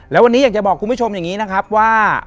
และวันนี้อยากจะบอกคุณผู้ชมว่า